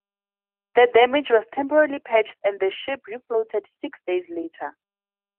The damage was temporarily patched and the ship refloated six days later.